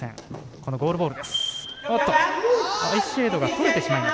このゴールボール。